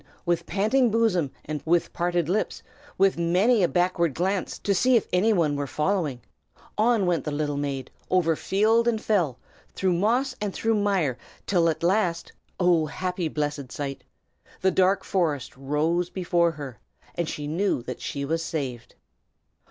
with panting bosom, with parted lips, with many a backward glance to see if any one were following; on went the little maid, over field and fell, through moss and through mire, till at last oh, happy, blessed sight! the dark forest rose before her, and she knew that she was saved.